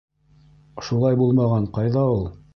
— Шулай булмаған ҡайҙа ул.